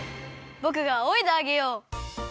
ぼくがあおいであげよう。